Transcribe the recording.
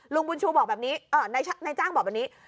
ลุงบุญชูบอกแบบนี้นายจ้างบอกแบบนี้